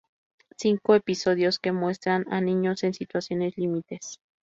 Cinco episodios que muestran a niños en situaciones límites.